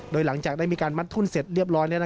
โดยหลังจากได้มีการมัดทุ่นเสร็จเรียบร้อย